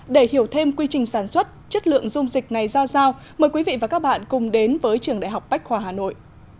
để hiểu thêm quy trình sản xuất chất lượng dung dịch này ra sao mời quý vị và các bạn cùng đến với trường đại học bách khoa hà nội